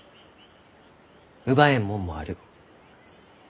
奪えんもんもある。